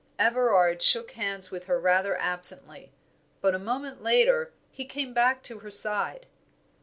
Everard shook hands with her rather absently; but a moment later he came back to her side.